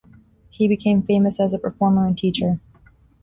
He became famous as a performer and teacher.